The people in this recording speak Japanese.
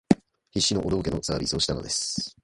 必死のお道化のサービスをしたのです